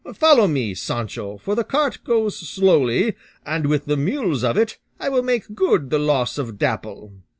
Follow me, Sancho, for the cart goes slowly, and with the mules of it I will make good the loss of Dapple."